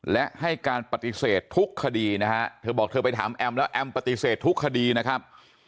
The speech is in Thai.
และให้การปฏิเสธทุกคดีนะฮะเธอบอกเธอไปถามแอมแล้วแอมปฏิเสธทุกคดีนะครับ